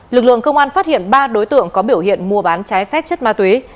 lực lượng công an phát hiện ba đối tượng có biểu hiện mua bán trái phép chất ma túy